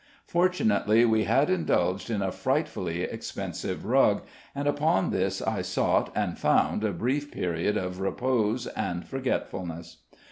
Fortunately, we had indulged in a frightfully expensive rug, and upon this I sought and found a brief period of repose and forgetfulness.